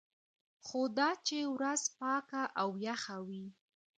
خو دا چې ورځ پاکه او یخه وي.